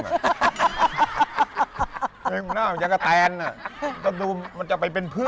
หน้ามันยังกระแตนต้องดูมันจะไปเป็นพึ่ง